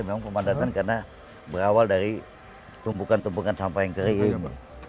memang pemadatan karena berawal dari tumpukan tumpukan sampah yang kering